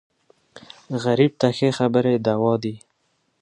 غریب ته ښې خبرې دوا دي